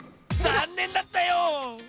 ざんねんだったよ！